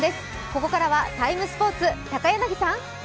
ここからは「ＴＩＭＥ，スポーツ」、高柳さん。